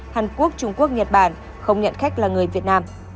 hàn quốc trung quốc nhật bản không nhận khách là người việt nam